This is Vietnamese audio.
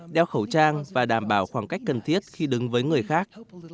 đeo khẩu trang và đảm bảo khoảng cách cần thiết khi đứng với người khác